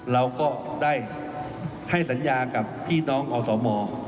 เราก็ได้ให้สัญญากับพี่น้องอสม